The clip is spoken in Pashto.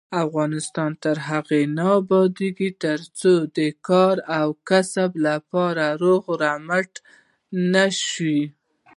افغانستان تر هغو نه ابادیږي، ترڅو د کار او کسب لپاره روغ رمټ نشو.